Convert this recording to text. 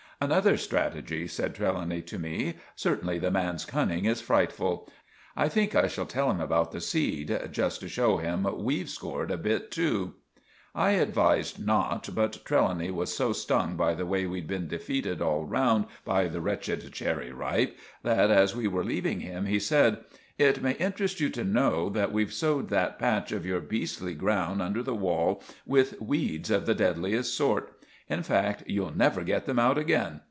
"Another strategy," said Trelawny to me. "Certainly the man's cunning is frightful. I think I shall tell him about the seed—just to show him we've scored a bit too." I advised not, but Trelawny was so stung by the way we'd been defeated all round by the wretched Cherry Ripe, that, as we were leaving him, he said— "It may interest you to know that we've sowed that patch of your beastly ground under the wall with weeds of the deadliest sort. In fact, you'll never get them out again.